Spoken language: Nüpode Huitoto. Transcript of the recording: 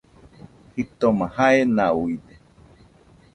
Jitoma jae nauide